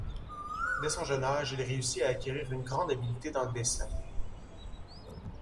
Dès son jeune âge, il réussit à acquérir une grande habileté dans le dessin.